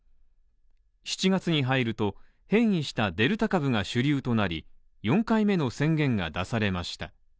７月に入ると、変異したデルタ株が主流となり、４回目の宣言が出されました。